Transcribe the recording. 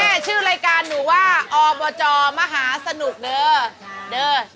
ชื่อรายการหนูว่าอบจมหาสนุกเด้อเด้อ